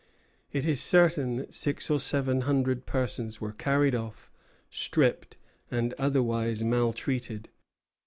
It is certain that six or seven hundred persons were carried off, stripped, and otherwise maltreated.